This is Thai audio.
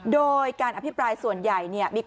โดยการอภิปรายส่วนใหญ่